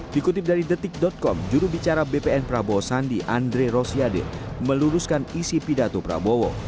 dikutip dari detik com jurubicara bpn prabowo sandi andre rosiade meluruskan isi pidato prabowo